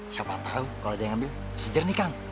siapa tahu kalau dia yang ambil bisa jernih kang